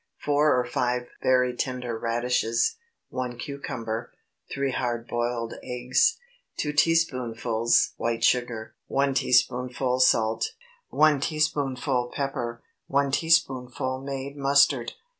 Four or five very tender radishes. 1 cucumber. 3 hard boiled eggs. 2 teaspoonfuls white sugar. 1 teaspoonful salt. 1 teaspoonful pepper. 1 teaspoonful made mustard.